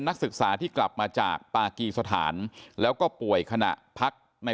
นักศึกษาที่กลับมาจากปากีสถานแล้วก็ป่วยขณะพักใน